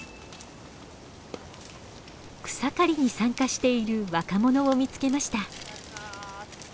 草刈りに参加している若者を見つけました。